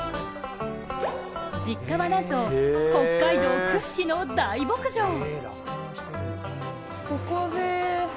実家はなんと北海道屈指の大牧場。